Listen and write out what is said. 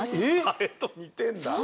ハエと似てんだ。